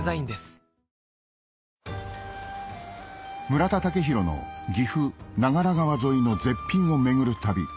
村田雄浩の岐阜長良川沿いの絶品を巡る旅